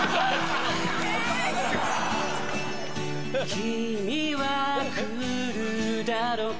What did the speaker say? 君は来るだろうか